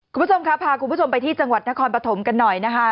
คุณผู้ชมครับพาคุณผู้ชมไปที่จังหวัดนครปฐมกันหน่อยนะคะ